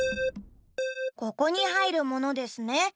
ここにはいるものですね。